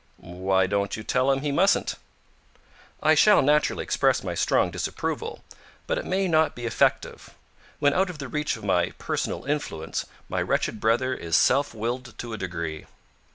"Why don't you tell him he mustn't?" "I shall naturally express my strong disapproval, but it may not be effective. When out of the reach of my personal influence, my wretched brother is self willed to a degree."